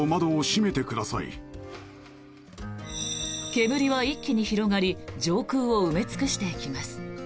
煙は一気に広がり上空を埋め尽くしていきます。